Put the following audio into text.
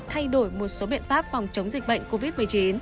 thay đổi một số biện pháp phòng chống dịch bệnh covid một mươi chín